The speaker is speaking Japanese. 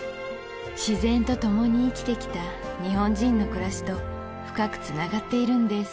自然と共に生きてきた日本人の暮らしと深くつながっているんです